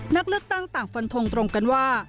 นักเลือกตั้งต่างฟันทงตรงกันว่า